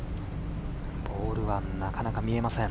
ボールはなかなか見えません。